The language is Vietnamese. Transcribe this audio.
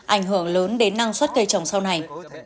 ảnh hưởng lớn đến năng suất cây trồng sau này